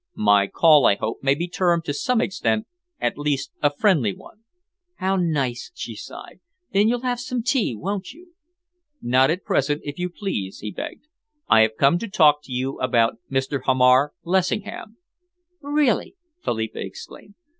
"My call, I hope, may be termed, to some extent, at least, a friendly one." "How nice!" she sighed. "Then you'll have some tea, won't you?" "Not at present, if you please," he begged. "I have come to talk to you about Mr. Hamar Lessingham." "Really?" Philippa exclaimed.